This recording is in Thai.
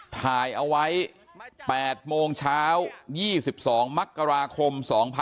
ถ่ายเอาไว้๘โมงเช้า๒๒มกราคม๒๕๖๒